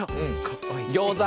ギョーザ。